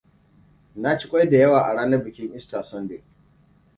Na ci kwai da yawa a ranar bikin Easter Sunday.